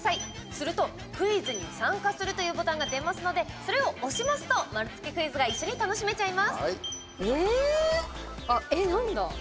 すると、クイズに参加するというボタンが出ますのでそれを押しますと丸つけクイズが一緒に楽しめちゃいます。